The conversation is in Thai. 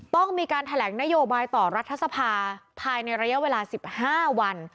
ต้องมีการแถลงนโยบายต่อรัฐสภาภายในระยะเวลา๑๕วัน